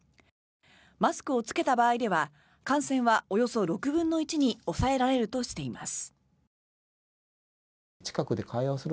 マスクを着けた場合では感染はおよそ６分の１に抑えられるとしています。